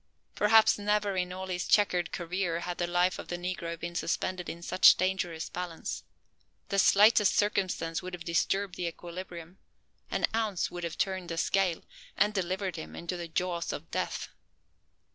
Perhaps never in all his checkered career had the life of the negro been suspended in such dangerous balance. The slightest circumstance would have disturbed the equilibrium, an ounce would have turned the scale, and delivered him into the jaws of death.